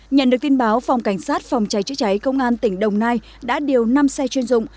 nhận được tin báo phòng cảnh sát phòng cháy chữa cháy công an tỉnh đồng nai đã điều năm xe chuyên dụng